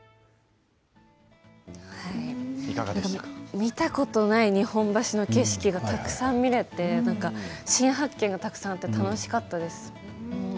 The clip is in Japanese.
見たことがない日本橋の景色がたくさん見られて新発見がたくさんあって楽しかったです。